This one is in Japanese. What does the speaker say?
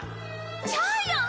ジャイアン！